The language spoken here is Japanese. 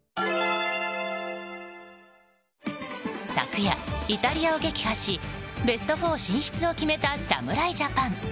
昨夜、イタリアを撃破しベスト４進出を決めた侍ジャパン。